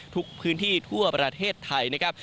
ทุกพื้นที่ทั่วประเทศไทยนะครับ